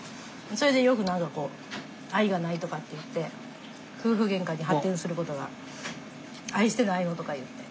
それでよく愛がないとかって言って夫婦げんかに発展する事が「愛してないの？」とか言って。